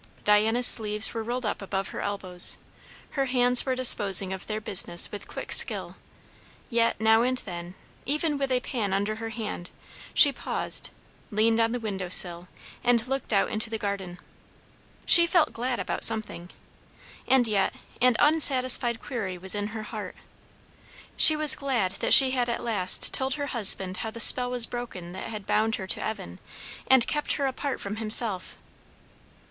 Diana's sleeves were rolled up above her elbows; her hands were disposing of their business with quick skill; yet now and then, even with a pan under her hand, she paused, leaned on the window sill, and looked out into the garden. She felt glad about something, and yet an unsatisfied query was in her heart; she was glad that she had at last told her husband how the spell was broken that had bound her to Evan and kept her apart from himself.